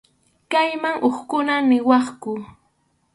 Chayman hukkuna niwaqku.